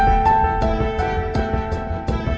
tidak bisa kehanyaan